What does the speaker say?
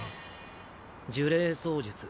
呪霊操術。